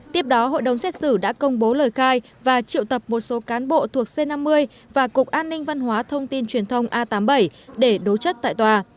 tiếp đó hội đồng xét xử đã công bố lời khai và triệu tập một số cán bộ thuộc c năm mươi và cục an ninh văn hóa thông tin truyền thông a tám mươi bảy để đối chất tại tòa